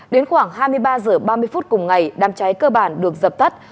đến khoảng hai mươi ba h ba mươi phút cùng ngày đám cháy cơ bản được dập tắt